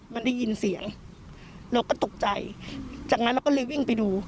มันได้ยินเสียงเราก็ตกใจจากนั้นเราก็เลยวิ่งไปดู